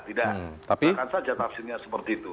tidak silakan saja tafsirnya seperti itu